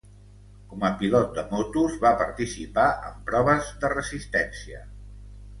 Com a pilot de motos, va participar en proves de resistència.